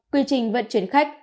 quy trình vận chuyển khách